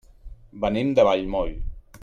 Venim de Vallmoll.